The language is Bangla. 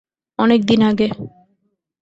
অনেক দিন আগে।